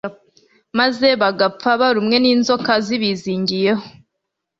maze bagapfa barumwe n'inzoka zibizingiyeho